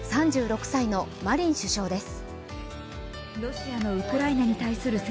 ３６歳のマリン首相です。